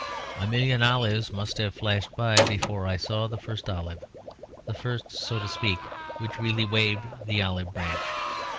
A million olives must have flashed by before I saw the first olive; the first, so to speak, which really waved the olive branch.